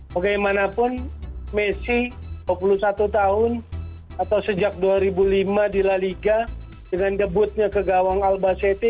bagaimanapun messi dua puluh satu tahun atau sejak dua ribu lima di laliga dengan debutnya ke gawang albaseti